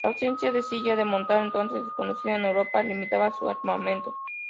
La ausencia de silla de montar, entonces desconocida en Europa, limitaba su armamento.